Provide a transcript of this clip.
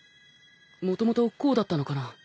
もともとこうだったのかな？